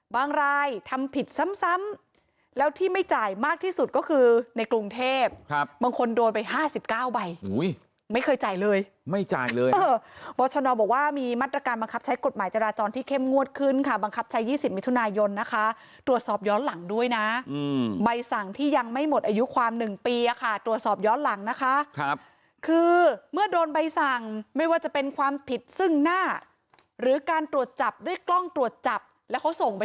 บางรายทำผิดซ้ำแล้วที่ไม่จ่ายมากที่สุดก็คือในกรุงเทพครับบางคนโดยไป๕๙ใบไม่เคยจ่ายเลยไม่จ่ายเลยวัชโนบอกว่ามีมาตรการบังคับใช้กฎหมายจราจรที่เข้มงวดขึ้นค่ะบังคับใช้๒๐มิถุนายนนะคะตรวจสอบย้อนหลังด้วยนะใบสั่งที่ยังไม่หมดอายุความ๑ปีค่ะตรวจสอบย้อนหลังนะคะครับคือเมื่อโดนใบสั่งไม่ว่าจะเป